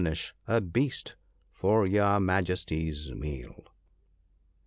nish a beast for your Majesty's meal.'